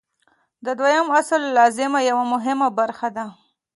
د دویم اصل لازمه یوه مهمه خبره ده.